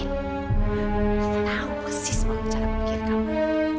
kita tahu persis banget cara berpikir kamu